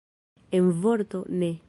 En vorto, ne.